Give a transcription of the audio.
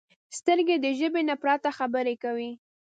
سترګې د ژبې نه پرته خبرې کوي